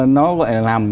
nó gọi là làm